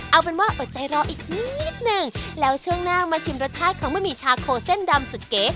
เอาเป็นว่าอดใจรออีกนิดนึงแล้วช่วงหน้ามาชิมรสชาติของบะหมี่ชาโคเส้นดำสุดเก๋